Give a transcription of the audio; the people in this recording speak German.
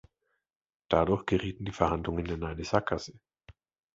Dadurch gerieten die Verhandlungen in eine Sackgasse.